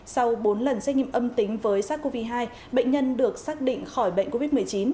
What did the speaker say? sau bốn lần xét nghiệm âm tính với sars cov hai bệnh nhân được xác định khỏi bệnh covid một mươi chín